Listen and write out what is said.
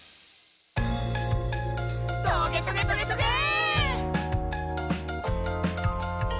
「トゲトゲトゲトゲェー！！」